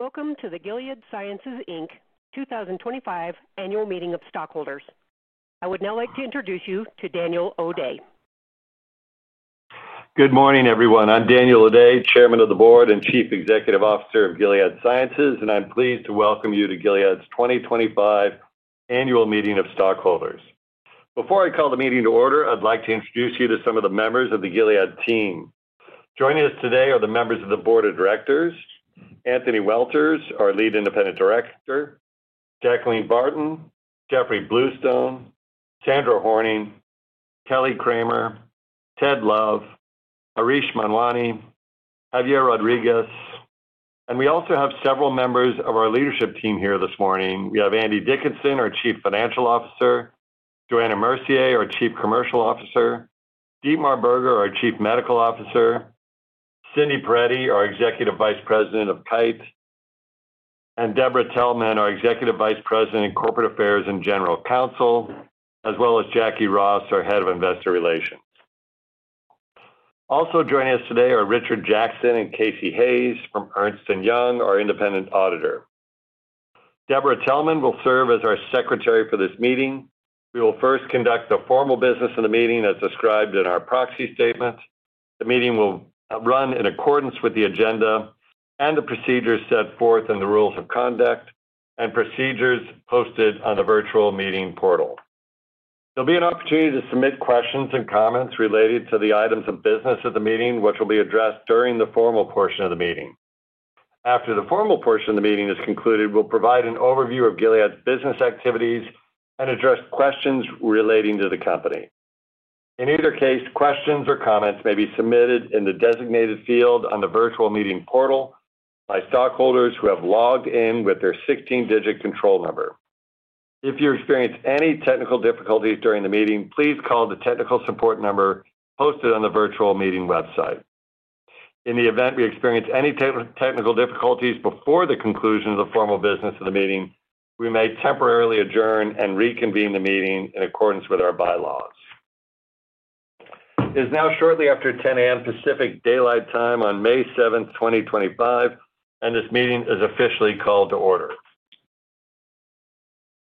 Welcome to the Gilead Sciences, Inc 2025 annual meeting of stockholders. I would now like to introduce you to Daniel O'Day. Good morning, everyone. I'm Daniel O'Day, Chairman of the Board and Chief Executive Officer of Gilead Sciences, and I'm pleased to welcome you to Gilead's 2025 annual meeting of stockholders. Before I call the meeting to order, I'd like to introduce you to some of the members of the Gilead team. Joining us today are the members of the Board of Directors: Anthony Welters, our Lead Independent Director; Jacqueline Barton; Jeffrey Bluestone; Sandra Horning; Kelly Kramer; Ted Love; Harish Manwani; Javier Rodriguez. We also have several members of our leadership team here this morning. We have Andy Dickinson, our Chief Financial Officer; Johanna Mercier, our Chief Commercial Officer; Dietmar Berger, our Chief Medical Officer; Cindy Perettie, our Executive Vice President of Kite; and Deborah Telman, our Executive Vice President in Corporate Affairs and General Counsel, as well as Jacquie Ross, our Head of Investor Relations. Also joining us today are Richard Jackson and Casey Hayes from Ernst & Young, our independent auditor. Deborah Telman will serve as our Secretary for this meeting. We will first conduct the formal business of the meeting as described in our proxy statements. The meeting will run in accordance with the agenda and the procedures set forth in the Rules of Conduct and procedures posted on the virtual meeting portal. There'll be an opportunity to submit questions and comments related to the items of business of the meeting, which will be addressed during the formal portion of the meeting. After the formal portion of the meeting is concluded, we'll provide an overview of Gilead's business activities and address questions relating to the company. In either case, questions or comments may be submitted in the designated field on the virtual meeting portal by stockholders who have logged in with their 16-digit control number. If you experience any technical difficulties during the meeting, please call the technical support number posted on the virtual meeting website. In the event we experience any technical difficulties before the conclusion of the formal business of the meeting, we may temporarily adjourn and reconvene the meeting in accordance with our bylaws. It is now shortly after 10:00 A.M. Pacific Daylight Time on May 7th, 2025, and this meeting is officially called to order.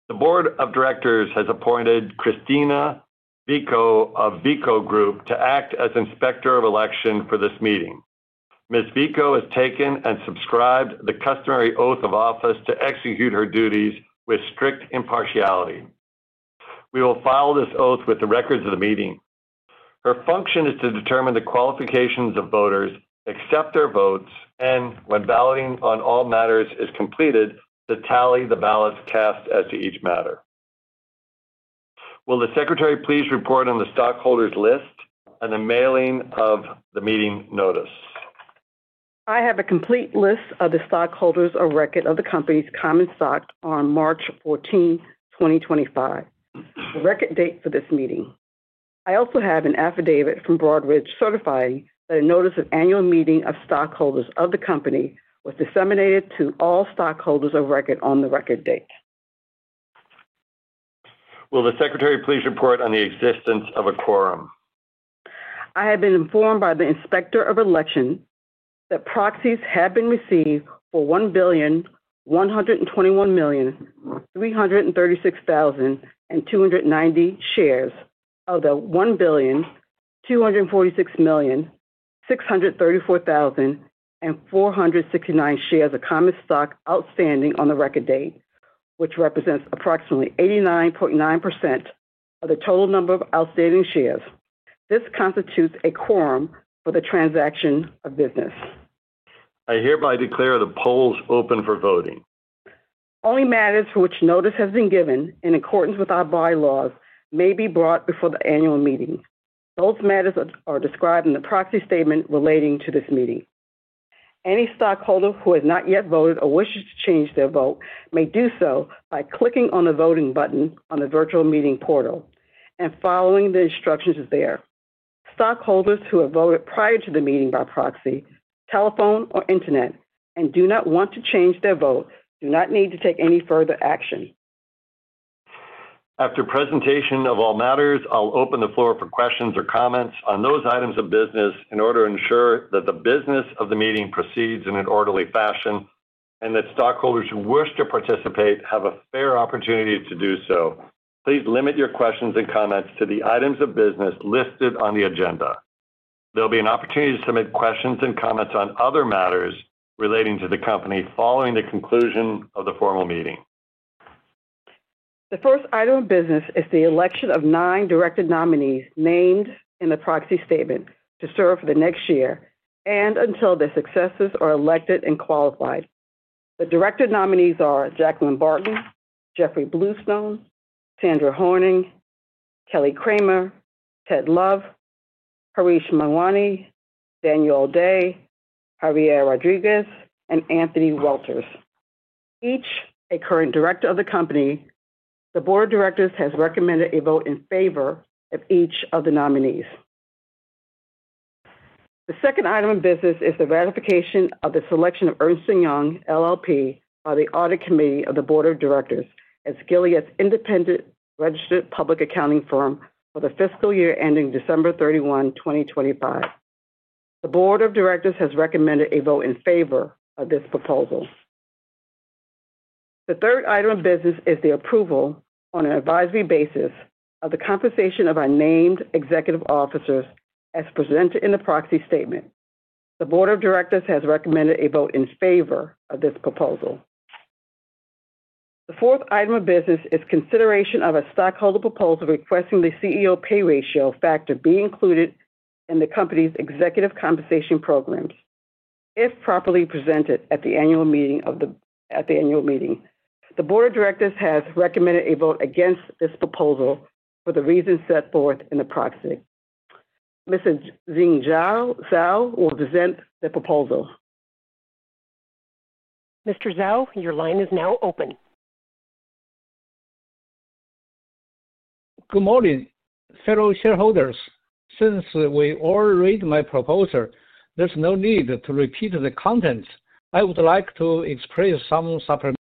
The Board of Directors has appointed Cristina Vico of Vico Group to act as Inspector of Election for this meeting. Ms. Vico has taken and subscribed the customary Oath of Office to execute her duties with strict impartiality. We will follow this oath with the records of the meeting. Her function is to determine the qualifications of voters, accept their votes, and when balloting on all matters is completed, to tally the ballots cast as to each matter. Will the Secretary please report on the stockholders' list and the mailing of the meeting notice? I have a complete list of the stockholders of record of the company's common stock on March 14th, 2025, the record date for this meeting. I also have an affidavit from Broadridge certifying that a notice of annual meeting of stockholders of the company was disseminated to all stockholders of record on the record date. Will the Secretary please report on the existence of a quorum? I have been informed by the Inspector of Election that proxies have been received for 1,121,336,290 shares of the 1,246,634,469 shares of common stock outstanding on the record date, which represents approximately 89.9% of the total number of outstanding shares. This constitutes a quorum for the transaction of business. I hereby declare the polls open for voting. Only matters for which notice has been given in accordance with our bylaws may be brought before the annual meeting. Those matters are described in the proxy statement relating to this meeting. Any stockholder who has not yet voted or wishes to change their vote may do so by clicking on the voting button on the virtual meeting portal and following the instructions there. Stockholders who have voted prior to the meeting by proxy, telephone, or internet and do not want to change their vote do not need to take any further action. After presentation of all matters, I'll open the floor for questions or comments on those items of business in order to ensure that the business of the meeting proceeds in an orderly fashion and that stockholders who wish to participate have a fair opportunity to do so. Please limit your questions and comments to the items of business listed on the agenda. There'll be an opportunity to submit questions and comments on other matters relating to the company following the conclusion of the formal meeting. The first item of business is the election of nine director nominees named in the proxy statement to serve for the next year and until their successors are elected and qualified. The director nominees are Jacqueline Barton, Jeffrey Bluestone, Sandra Horning, Kelly Kramer, Ted Love, Harish Manwani, Daniel O'Day, Javier Rodriguez, and Anthony Welters. Each a current director of the company, the Board of Directors has recommended a vote in favor of each of the nominees. The second item of business is the ratification of the selection of Ernst & Young LLP by the Audit Committee of the Board of Directors as Gilead's independent registered public accounting firm for the fiscal year ending December 31, 2025. The Board of Directors has recommended a vote in favor of this proposal. The third item of business is the approval on an advisory basis of the compensation of our named executive officers, as presented in the proxy statement. The Board of Directors has recommended a vote in favor of this proposal. The fourth item of business is consideration of a stockholder proposal requesting the CEO pay ratio factor be included in the company's executive compensation programs. If properly presented at the annual meeting, the Board of Directors has recommended a vote against this proposal for the reasons set forth in the proxy. Mr. Zheng Zhao will present the proposal. Mr. Zhao, your line is now open. Good morning, fellow shareholders. Since we all read my proposal, there's no need to repeat the contents. I would like to express some supplements.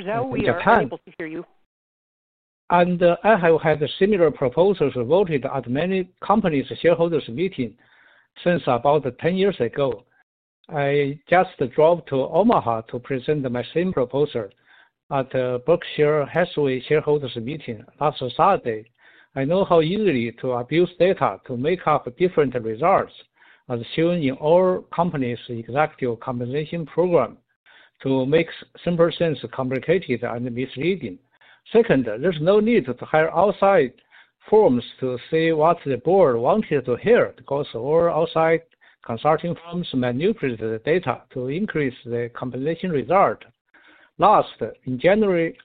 Mr. Zhao, we are unable to hear you. I have had similar proposals voted at many companies' shareholders' meetings since about 10 years ago. I just drove to Omaha to present my same proposal at Berkshire Hathaway shareholders' meeting last Saturday. I know how easily to abuse data to make up different results, assuming all companies' executive compensation program to make simple sense complicated and misleading. Second, there's no need to hire outside firms to say what the board wanted to hear because all outside consulting firms manipulate the data to increase the compensation result. Last, in January,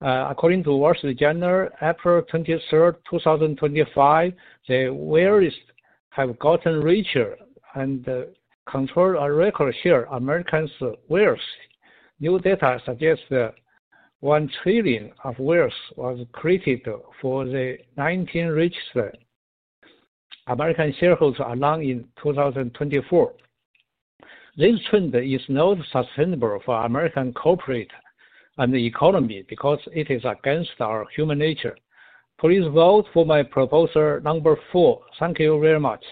according to Wall Street Journal, April 23rd, 2025, the wealthy have gotten richer and controlled a record share of Americans' wealth. New data suggests that $1 trillion of wealth was created for the 19 richest American shareholders alone in 2024. This trend is not sustainable for American corporate and the economy because it is against our human nature. Please vote for my proposal number four. Thank you very much.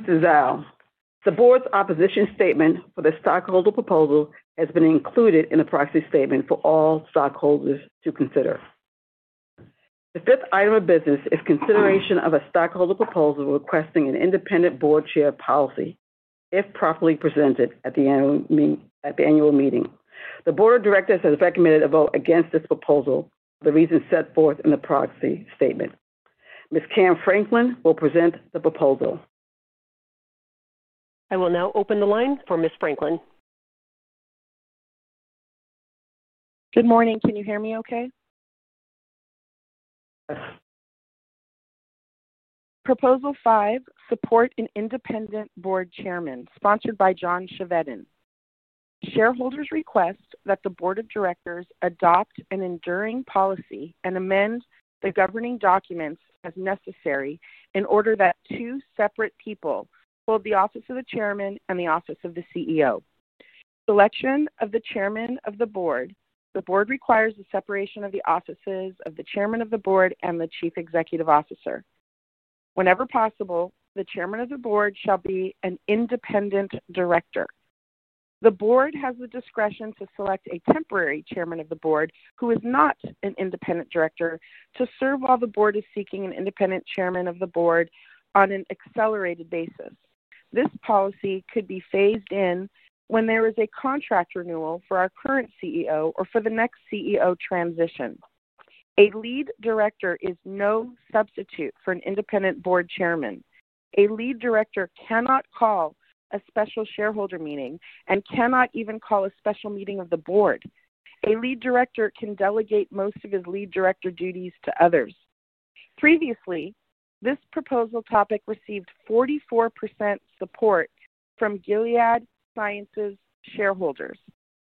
Mr. Zhao, the Board's opposition statement for the stockholder proposal has been included in the proxy statement for all stockholders to consider. The fifth item of business is consideration of a stockholder proposal requesting an independent board chair policy if properly presented at the annual meeting. The Board of Directors has recommended a vote against this proposal for the reasons set forth in the proxy statement. Ms. Kim Franklin will present the proposal. I will now open the line for Ms. Franklin. Good morning. Can you hear me okay? Yes. Proposal five supports an independent board chairman sponsored by John Chevedden. Shareholders request that the Board of Directors adopt an enduring policy and amend the governing documents as necessary in order that two separate people hold the office of the chairman and the office of the CEO. Selection of the chairman of the board. The board requires the separation of the offices of the chairman of the board and the Chief Executive Officer. Whenever possible, the chairman of the board shall be an independent director. The board has the discretion to select a temporary chairman of the board who is not an independent director to serve while the board is seeking an independent chairman of the board on an accelerated basis. This policy could be phased in when there is a contract renewal for our current CEO or for the next CEO transition. A lead director is no substitute for an independent board chairman. A lead director cannot call a special shareholder meeting and cannot even call a special meeting of the board. A lead director can delegate most of his lead director duties to others. Previously, this proposal topic received 44% support from Gilead Sciences shareholders.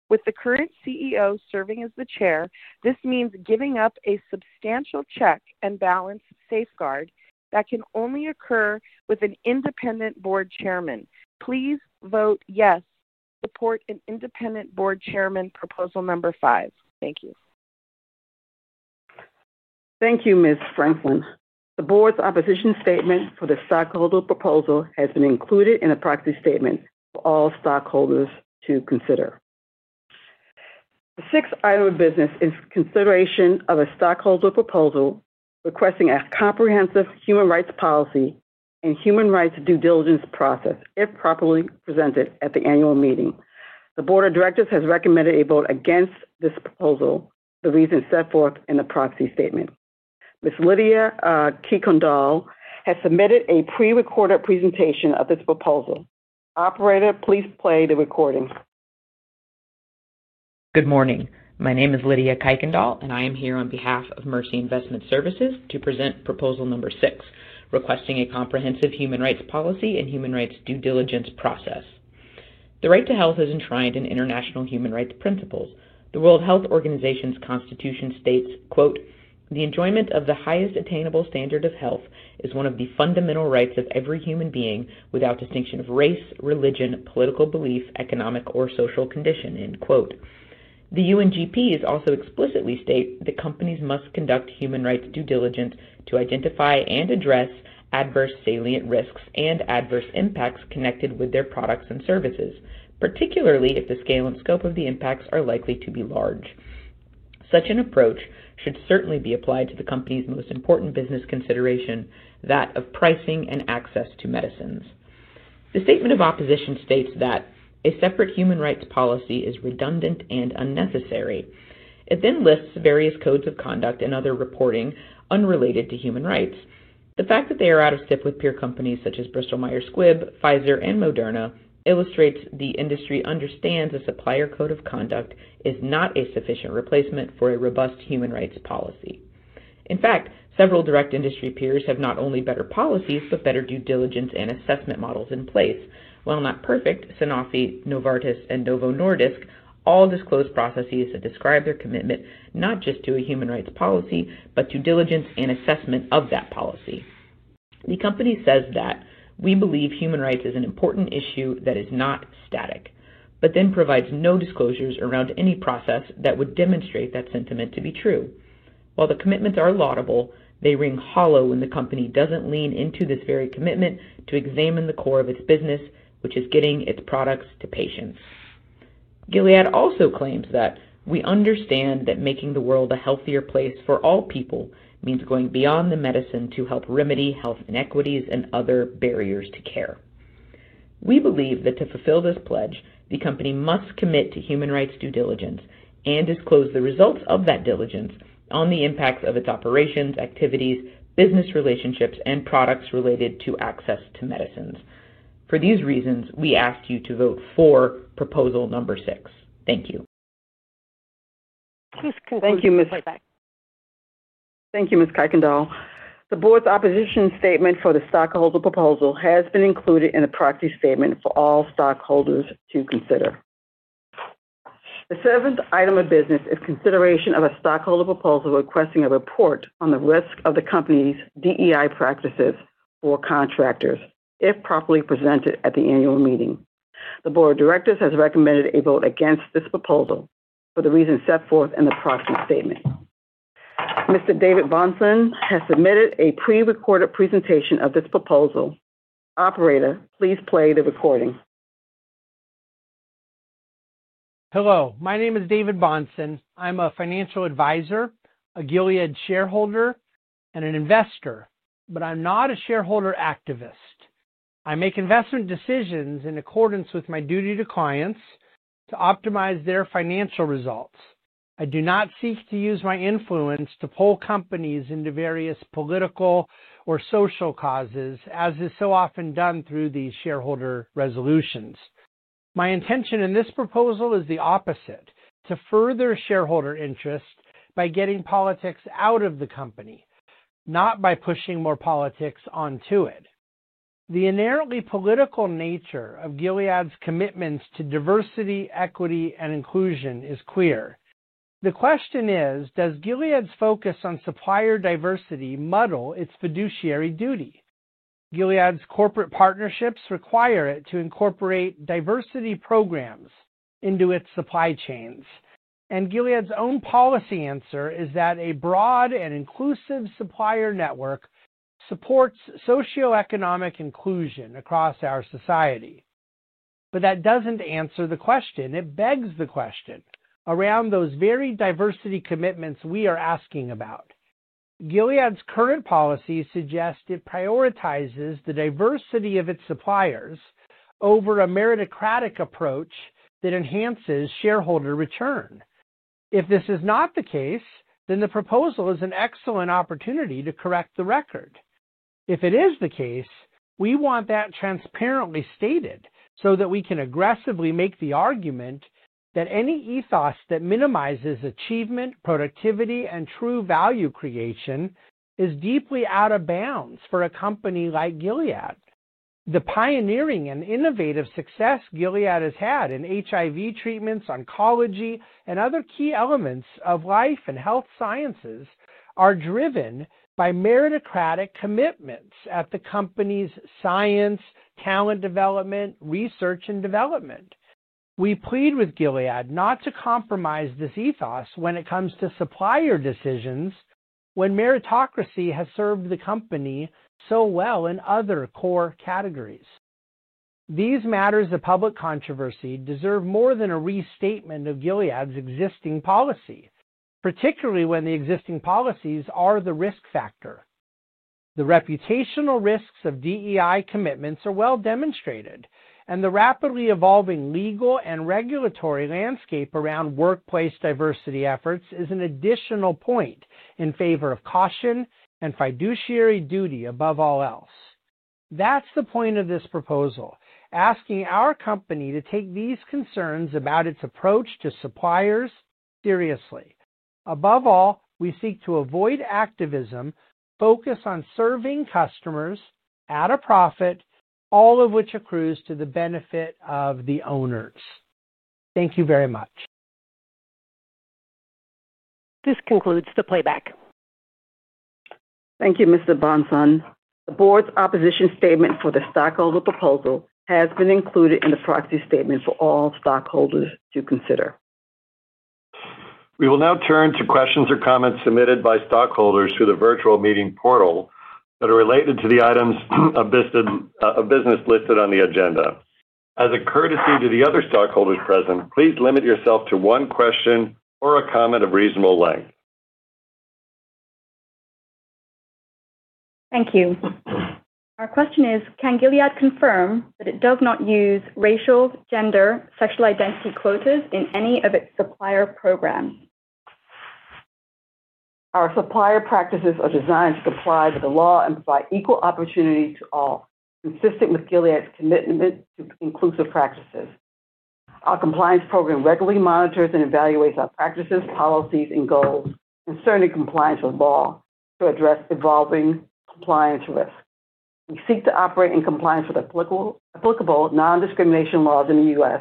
With the current CEO serving as the chair, this means giving up a substantial check and balance safeguard that can only occur with an independent board chairman. Please vote yes, support an independent board chairman proposal number five. Thank you. Thank you, Ms. Franklin. The Board's opposition statement for the stockholder proposal has been included in the proxy statement for all stockholders to consider. The sixth item of business is consideration of a stockholder proposal requesting a comprehensive human rights policy and human rights due diligence process if properly presented at the annual meeting. The Board of Directors has recommended a vote against this proposal for the reasons set forth in the proxy statement. Ms. Lydia Kuykendal has submitted a pre-recorded presentation of this proposal. Operator, please play the recording. Good morning. My name is Lydia Kuykendal, and I am here on behalf of Mercy Investment Services to present proposal number six, requesting a comprehensive human rights policy and human rights due diligence process. The right to health is enshrined in international human rights principles. The World Health Organization's Constitution states, "The enjoyment of the highest attainable standard of health is one of the fundamental rights of every human being without distinction of race, religion, political belief, economic, or social condition." The UNGPs also explicitly state that companies must conduct human rights due diligence to identify and address adverse salient risks and adverse impacts connected with their products and services, particularly if the scale and scope of the impacts are likely to be large. Such an approach should certainly be applied to the company's most important business consideration, that of pricing and access to medicines. The statement of opposition states that a separate human rights policy is redundant and unnecessary. It then lists various codes of conduct and other reporting unrelated to human rights. The fact that they are out of step with peer companies such as Bristol-Myers Squibb, Pfizer, and Moderna illustrates the industry understands a supplier code of conduct is not a sufficient replacement for a robust human rights policy. In fact, several direct industry peers have not only better policies but better due diligence and assessment models in place. While not perfect, Sanofi, Novartis, and Novo Nordisk all disclose processes that describe their commitment not just to a human rights policy but to diligence and assessment of that policy. The company says that, "We believe human rights is an important issue that is not static," but then provides no disclosures around any process that would demonstrate that sentiment to be true. While the commitments are laudable, they ring hollow when the company doesn't lean into this very commitment to examine the core of its business, which is getting its products to patients. Gilead also claims that, "We understand that making the world a healthier place for all people means going beyond the medicine to help remedy health inequities and other barriers to care." We believe that to fulfill this pledge, the company must commit to human rights due diligence and disclose the results of that diligence on the impacts of its operations, activities, business relationships, and products related to access to medicines. For these reasons, we ask you to vote for proposal number six. Thank you. Thank you, Ms. Kuykendal. The Board's opposition statement for the stockholder proposal has been included in the proxy statement for all stockholders to consider. The seventh item of business is consideration of a stockholder proposal requesting a report on the risk of the company's DEI practices for contractors if properly presented at the annual meeting. The Board of Directors has recommended a vote against this proposal for the reasons set forth in the proxy statement. Mr. David Bahnsen has submitted a pre-recorded presentation of this proposal. Operator, please play the recording. Hello. My name is David Bahnsen. I'm a financial advisor, a Gilead shareholder, and an investor, but I'm not a shareholder activist. I make investment decisions in accordance with my duty to clients to optimize their financial results. I do not seek to use my influence to pull companies into various political or social causes, as is so often done through these shareholder resolutions. My intention in this proposal is the opposite: to further shareholder interest by getting politics out of the company, not by pushing more politics onto it. The inherently political nature of Gilead's commitments to diversity, equity, and inclusion is clear. The question is, does Gilead's focus on supplier diversity muddle its fiduciary duty? Gilead's corporate partnerships require it to incorporate diversity programs into its supply chains. Gilead's own policy answer is that a broad and inclusive supplier network supports socioeconomic inclusion across our society. That doesn't answer the question. It begs the question around those very diversity commitments we are asking about. Gilead's current policy suggests it prioritizes the diversity of its suppliers over a meritocratic approach that enhances shareholder return. If this is not the case, then the proposal is an excellent opportunity to correct the record. If it is the case, we want that transparently stated so that we can aggressively make the argument that any ethos that minimizes achievement, productivity, and true value creation is deeply out of bounds for a company like Gilead. The pioneering and innovative success Gilead has had in HIV treatments, oncology, and other key elements of life and health sciences are driven by meritocratic commitments at the company's science, talent development, research, and development. We plead with Gilead not to compromise this ethos when it comes to supplier decisions when meritocracy has served the company so well in other core categories. These matters of public controversy deserve more than a restatement of Gilead's existing policy, particularly when the existing policies are the risk factor. The reputational risks of DEI commitments are well demonstrated, and the rapidly evolving legal and regulatory landscape around workplace diversity efforts is an additional point in favor of caution and fiduciary duty above all else. That's the point of this proposal, asking our company to take these concerns about its approach to suppliers seriously. Above all, we seek to avoid activism, focus on serving customers at a profit, all of which accrues to the benefit of the owners. Thank you very much. This concludes the playback. Thank you, Mr. Bahnsen. The Board's opposition statement for the stockholder proposal has been included in the proxy statement for all stockholders to consider. We will now turn to questions or comments submitted by stockholders through the virtual meeting portal that are related to the items of business listed on the agenda. As a courtesy to the other stockholders present, please limit yourself to one question or a comment of reasonable length. Thank you. Our question is, can Gilead confirm that it does not use racial, gender, or sexual identity quotas in any of its supplier programs? Our supplier practices are designed to comply with the law and provide equal opportunity to all, consistent with Gilead's commitment to inclusive practices. Our compliance program regularly monitors and evaluates our practices, policies, and goals concerning compliance with law to address evolving compliance risks. We seek to operate in compliance with applicable nondiscrimination laws in the U.S.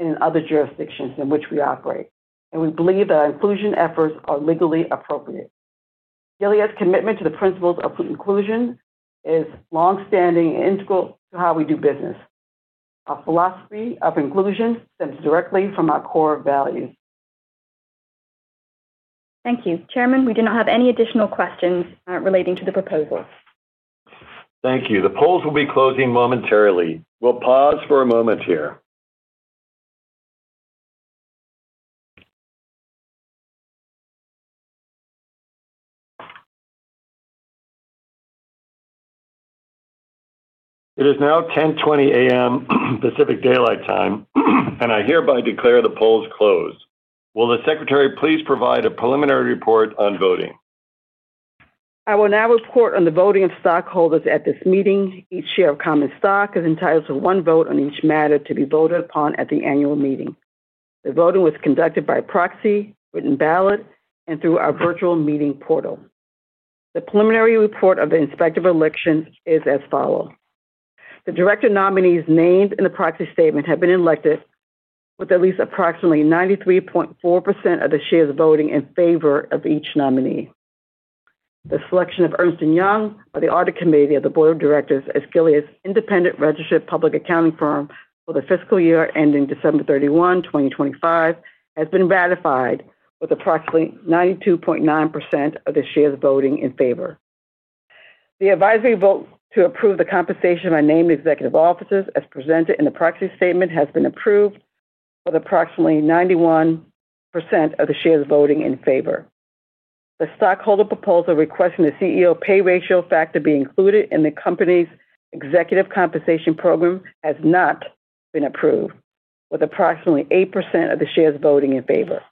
and in other jurisdictions in which we operate. We believe that our inclusion efforts are legally appropriate. Gilead's commitment to the principles of inclusion is longstanding and integral to how we do business. Our philosophy of inclusion stems directly from our core values. Thank you. Chairman, we do not have any additional questions relating to the proposal. Thank you. The polls will be closing momentarily. We'll pause for a moment here. It is now 10:20 A.M. Pacific Daylight Time, and I hereby declare the polls closed. Will the Secretary please provide a preliminary report on voting? I will now report on the voting of stockholders at this meeting. Each share of common stock is entitled to one vote on each matter to be voted upon at the annual meeting. The voting was conducted by proxy, written ballot, and through our virtual meeting portal. The preliminary report of the Inspector of Election is as follows. The director nominees named in the proxy statement have been elected, with at least approximately 93.4% of the shares voting in favor of each nominee. The selection of Ernst & Young by the Audit Committee of the Board of Directors as Gilead's independent registered public accounting firm for the fiscal year ending December 31, 2025, has been ratified with approximately 92.9% of the shares voting in favor. The advisory vote to approve the compensation by named executive officers, as presented in the proxy statement, has been approved with approximately 91% of the shares voting in favor. The stockholder proposal requesting the CEO pay ratio factor be included in the company's executive compensation program has not been approved with approximately 8% of the shares voting in favor.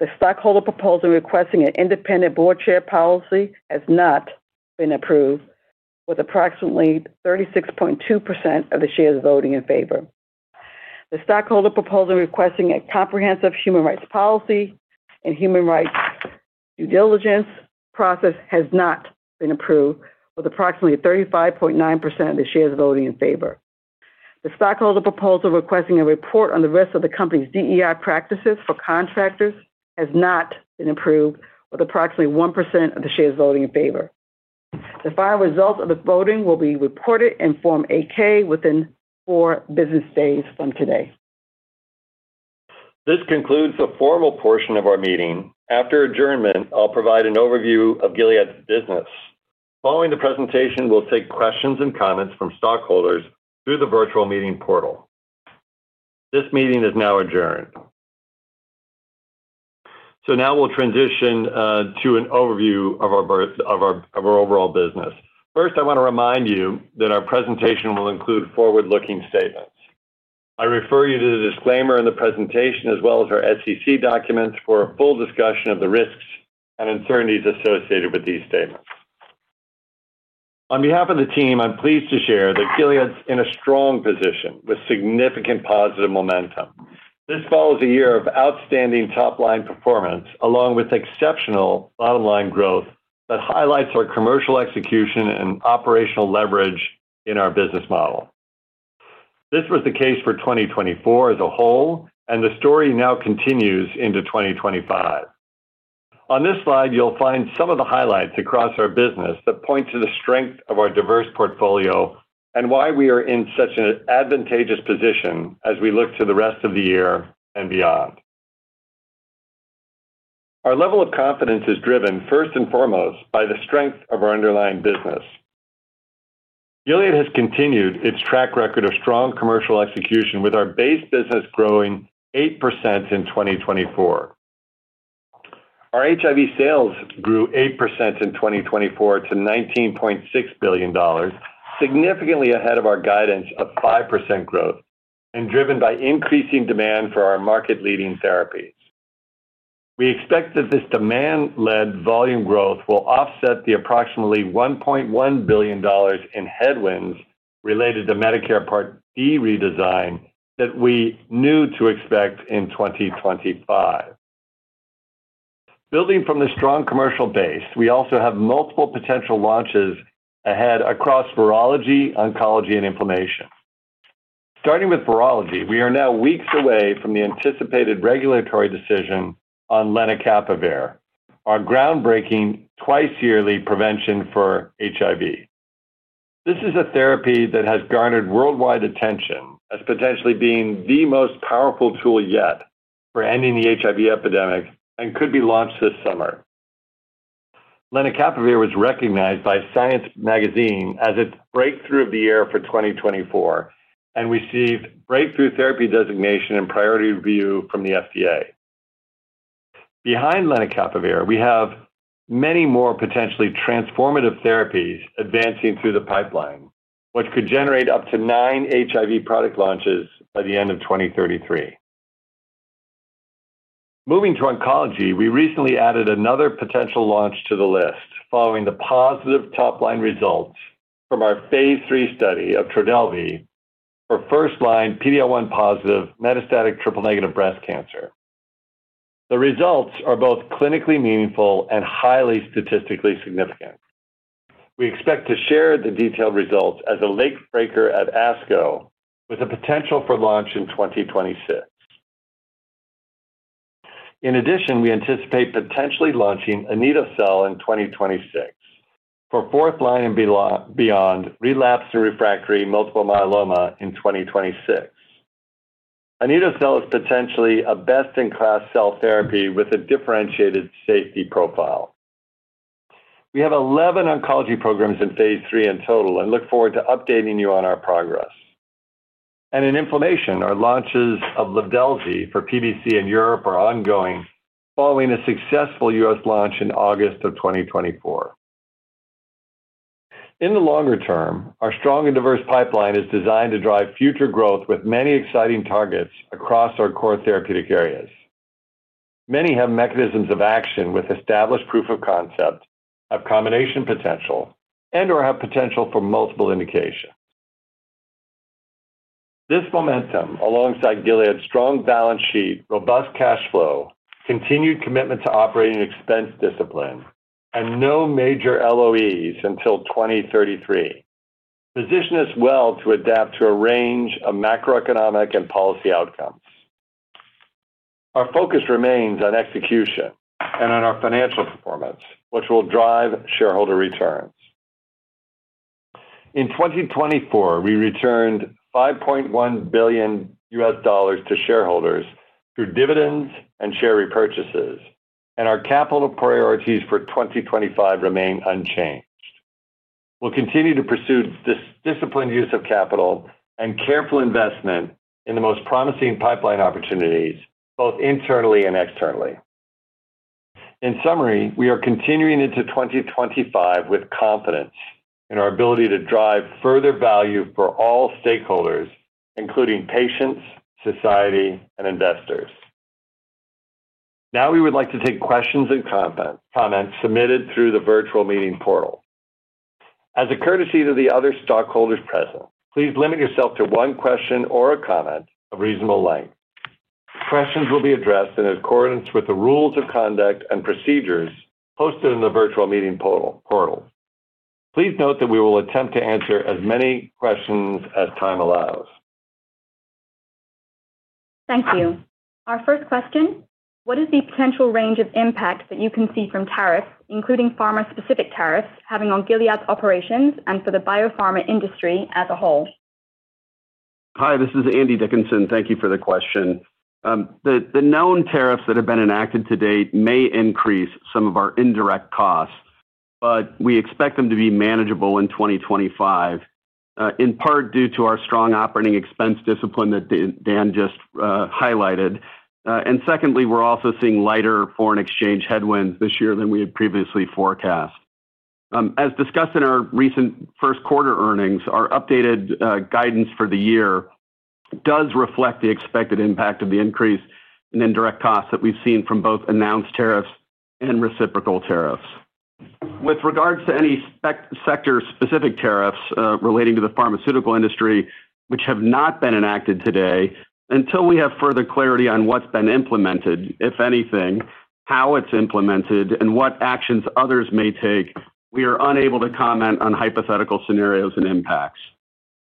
The stockholder proposal requesting an independent board chair policy has not been approved with approximately 36.2% of the shares voting in favor. The stockholder proposal requesting a comprehensive human rights policy and human rights due diligence process has not been approved with approximately 35.9% of the shares voting in favor. The stockholder proposal requesting a report on the risk of the company's DEI practices for contractors has not been approved with approximately 1% of the shares voting in favor. The final results of the voting will be reported in Form 8-K within four business days from today. This concludes the formal portion of our meeting. After adjournment, I'll provide an overview of Gilead's business. Following the presentation, we'll take questions and comments from stockholders through the virtual meeting portal. This meeting is now adjourned. Now we'll transition to an overview of our overall business. First, I want to remind you that our presentation will include forward-looking statements. I refer you to the disclaimer in the presentation, as well as our SEC documents, for a full discussion of the risks and uncertainties associated with these statements. On behalf of the team, I'm pleased to share that Gilead's in a strong position with significant positive momentum. This follows a year of outstanding top-line performance, along with exceptional bottom-line growth that highlights our commercial execution and operational leverage in our business model. This was the case for 2024 as a whole, and the story now continues into 2025. On this slide, you'll find some of the highlights across our business that point to the strength of our diverse portfolio and why we are in such an advantageous position as we look to the rest of the year and beyond. Our level of confidence is driven first and foremost by the strength of our underlying business. Gilead has continued its track record of strong commercial execution with our base business growing 8% in 2024. Our HIV sales grew 8% in 2024 to $19.6 billion, significantly ahead of our guidance of 5% growth and driven by increasing demand for our market-leading therapies. We expect that this demand-led volume growth will offset the approximately $1.1 billion in headwinds related to Medicare Part B redesign that we knew to expect in 2025. Building from the strong commercial base, we also have multiple potential launches ahead across virology, oncology, and inflammation. Starting with virology, we are now weeks away from the anticipated regulatory decision on lenacapavir, our groundbreaking twice-yearly prevention for HIV. This is a therapy that has garnered worldwide attention as potentially being the most powerful tool yet for ending the HIV epidemic and could be launched this summer. Lenacapavir was recognized by Science magazine as its Breakthrough of the Year for 2024 and received breakthrough therapy designation and priority review from the FDA. Behind lenacapavir, we have many more potentially transformative therapies advancing through the pipeline, which could generate up to nine HIV product launches by the end of 2033. Moving to oncology, we recently added another potential launch to the list following the positive top-line results from our phase III study of TRODELVY for first-line PD-L1 positive metastatic triple negative breast cancer. The results are both clinically meaningful and highly statistically significant. We expect to share the detailed results as a late breaker at ASCO with a potential for launch in 2026. In addition, we anticipate potentially launching Anito-cel in 2026 for fourth-line and beyond relapsed/refractory multiple myeloma in 2026. Anito-cel is potentially a best-in-class cell therapy with a differentiated safety profile. We have 11 oncology programs in phase III in total and look forward to updating you on our progress. In inflammation, our launches of Livdelzi for PBC in Europe are ongoing following a successful U.S. launch in August of 2024. In the longer term, our strong and diverse pipeline is designed to drive future growth with many exciting targets across our core therapeutic areas. Many have mechanisms of action with established proof of concept, have combination potential, and/or have potential for multiple indications. This momentum, alongside Gilead's strong balance sheet, robust cash flow, continued commitment to operating expense discipline, and no major LOEs until 2033, position us well to adapt to a range of macro-economic and policy outcomes. Our focus remains on execution and on our financial performance, which will drive shareholder returns. In 2024, we returned $5.1 billion to shareholders through dividends and share repurchases, and our capital priorities for 2025 remain unchanged. We'll continue to pursue disciplined use of capital and careful investment in the most promising pipeline opportunities, both internally and externally. In summary, we are continuing into 2025 with confidence in our ability to drive further value for all stakeholders, including patients, society, and investors. Now we would like to take questions and comments submitted through the virtual meeting portal. As a courtesy to the other stockholders present, please limit yourself to one question or a comment of reasonable length. Questions will be addressed in accordance with the Rules of Conduct and procedures posted in the virtual meeting portal. Please note that we will attempt to answer as many questions as time allows. Thank you. Our first question: What is the potential range of impact that you can see from tariffs, including pharma-specific tariffs, having on Gilead's operations and for the biopharma industry as a whole? Hi, this is Andy Dickinson. Thank you for the question. The known tariffs that have been enacted to date may increase some of our indirect costs, but we expect them to be manageable in 2025, in part due to our strong operating expense discipline that Dan just highlighted. We are also seeing lighter foreign exchange headwinds this year than we had previously forecast. As discussed in our recent first quarter earnings, our updated guidance for the year does reflect the expected impact of the increase in indirect costs that we've seen from both announced tariffs and reciprocal tariffs. With regards to any sector-specific tariffs relating to the pharmaceutical industry, which have not been enacted to date, until we have further clarity on what's been implemented, if anything, how it's implemented, and what actions others may take, we are unable to comment on hypothetical scenarios and impacts.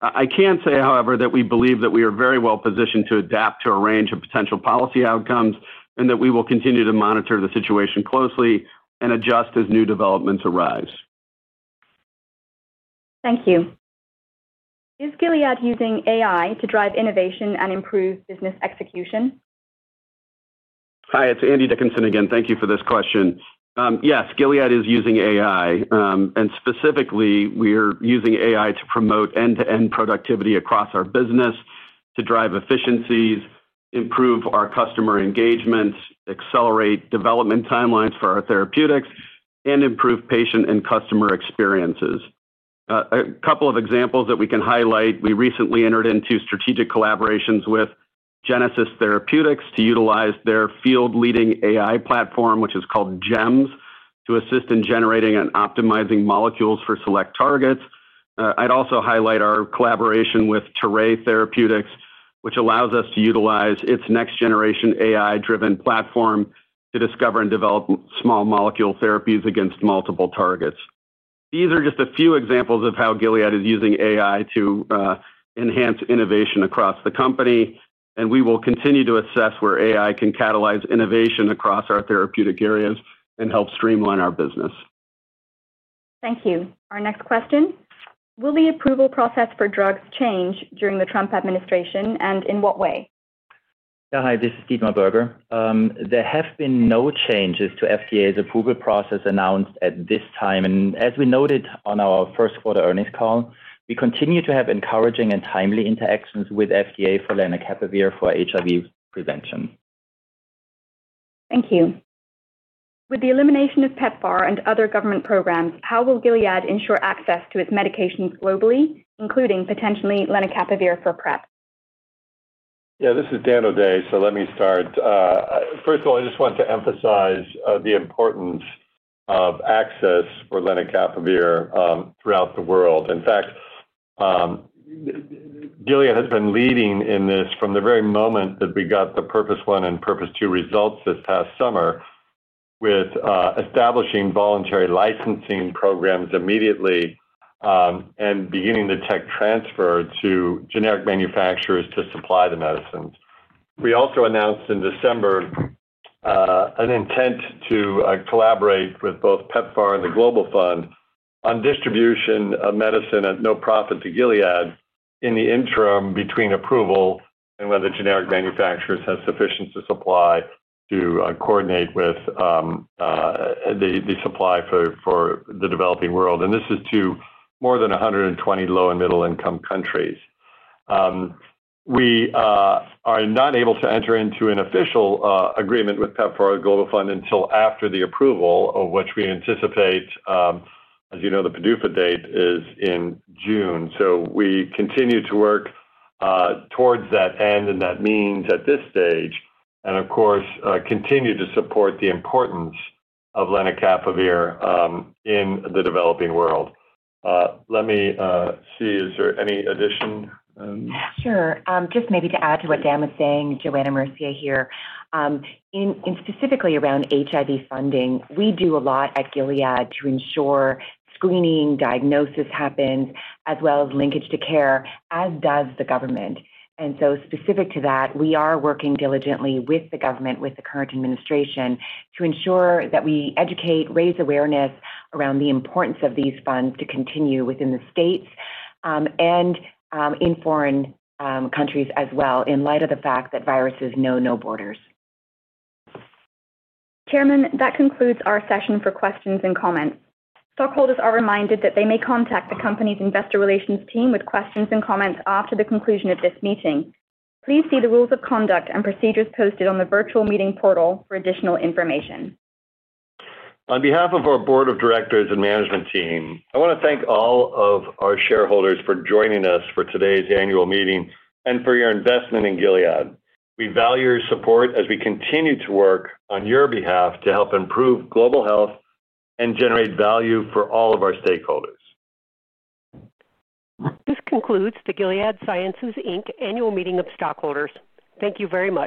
I can say, however, that we believe that we are very well positioned to adapt to a range of potential policy outcomes and that we will continue to monitor the situation closely and adjust as new developments arise. Thank you. Is Gilead using AI to drive innovation and improve business execution? Hi, it's Andy Dickinson again. Thank you for this question. Yes, Gilead is using AI, and specifically, we are using AI to promote end-to-end productivity across our business, to drive efficiencies, improve our customer engagement, accelerate development timelines for our therapeutics, and improve patient and customer experiences. A couple of examples that we can highlight: we recently entered into strategic collaborations with Genesis Therapeutics to utilize their field-leading AI platform, which is called GEMS, to assist in generating and optimizing molecules for select targets. I'd also highlight our collaboration with Terray Therapeutics, which allows us to utilize its next-generation AI-driven platform to discover and develop small molecule therapies against multiple targets. These are just a few examples of how Gilead is using AI to enhance innovation across the company, and we will continue to assess where AI can catalyze innovation across our therapeutic areas and help streamline our business. Thank you. Our next question: Will the approval process for drugs change during the Trump administration, and in what way? Hi, this is Dietmar Berger. There have been no changes to FDA's approval process announced at this time, and as we noted on our first quarter earnings call, we continue to have encouraging and timely interactions with FDA for lenacapavir for HIV prevention. Thank you. With the elimination of PEPFAR and other government programs, how will Gilead ensure access to its medications globally, including potentially lenacapavir for PrEP? Yeah, this is Dan O'Day, so let me start. First of all, I just want to emphasize the importance of access for lenacapavir throughout the world. In fact, Gilead has been leading in this from the very moment that we got the PURPOSE 1 and PURPOSE 2 results this past summer with establishing voluntary licensing programs immediately and beginning the tech transfer to generic manufacturers to supply the medicines. We also announced in December an intent to collaborate with both PEPFAR and the Global Fund on distribution of medicine at no profit to Gilead in the interim between approval and whether generic manufacturers have sufficient supply to coordinate with the supply for the developing world, and this is to more than 120 low and middle-income countries. We are not able to enter into an official agreement with PEPFAR or the Global Fund until after the approval, which we anticipate, as you know, the PDUFA date is in June. We continue to work towards that end, and that means at this stage, and of course, continue to support the importance of lenacapavir in the developing world. Let me see, is there any addition? Sure. Just maybe to add to what Dan was saying, Johanna Mercier here, and specifically around HIV funding, we do a lot at Gilead to ensure screening, diagnosis happens, as well as linkage to care, as does the government. Specific to that, we are working diligently with the government, with the current administration, to ensure that we educate, raise awareness around the importance of these funds to continue within the states and in foreign countries as well, in light of the fact that viruses know no borders. Chairman, that concludes our session for questions and comments. Stockholders are reminded that they may contact the company's Investor Relations team with questions and comments after the conclusion of this meeting. Please see the Rules of Conduct and procedures posted on the virtual meeting portal for additional information. On behalf of our Board of Directors and management team, I want to thank all of our shareholders for joining us for today's annual meeting and for your investment in Gilead. We value your support as we continue to work on your behalf to help improve global health and generate value for all of our stakeholders. This concludes the Gilead Sciences, Inc annual meeting of stockholders. Thank you very much.